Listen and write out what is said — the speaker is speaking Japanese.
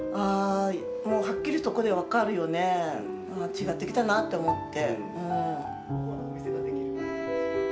違ってきたなって思って。